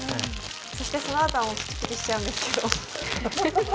そして、そのあとはプチプチしちゃうんですけど。